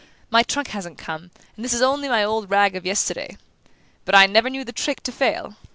My trunk hasn't come, and this is only my old rag of yesterday but I never knew the trick to fail!"